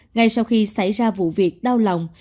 ngay sau khi xảy ra vụ việc đau lòng